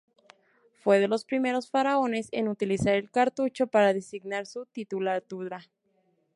Fue de los primeros faraones en utilizar el cartucho para designar su titulatura.